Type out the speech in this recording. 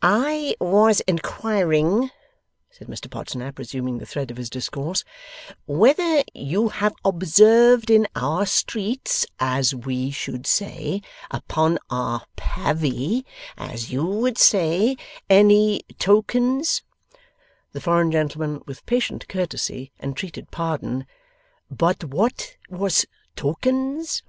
'I Was Inquiring,' said Mr Podsnap, resuming the thread of his discourse, 'Whether You Have Observed in our Streets as We should say, Upon our Pavvy as You would say, any Tokens ' The foreign gentleman, with patient courtesy entreated pardon; 'But what was tokenz?